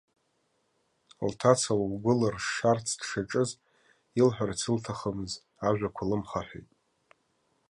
Лҭаца лгәы лыршшарц дшаҿыз, илҳәарц илҭахӡамыз ажәақәа ламхаҳәеит.